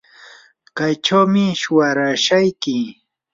kaychawmi shuwarashayki.